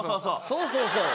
そうそうそう？